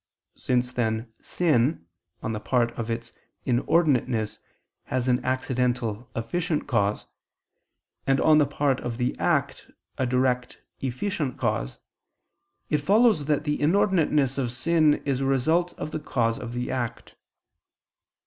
Since then sin, on the part of its inordinateness, has an accidental efficient cause, and on the part of the act, a direct efficient cause, it follows that the inordinateness of sin is a result of the cause of the act.